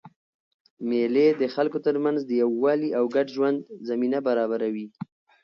مېلې د خلکو ترمنځ د یووالي او ګډ ژوند زمینه برابروي.